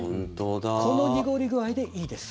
この濁り具合でいいです。